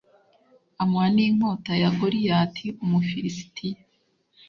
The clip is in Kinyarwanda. amuha n’inkota ya Goliyati Umufilisitiya.